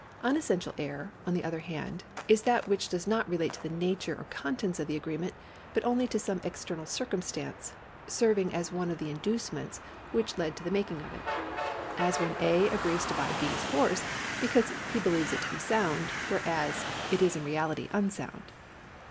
^ Unessential error, on the other hand, is that which does not relate to the nature or contents of the agreement, but only to some external circumstance, serving as one of the induce ments which led to the making of it ; as when A. agrees to buy B.'s horse because he believes it to be sound, whereas it is in reality unsound.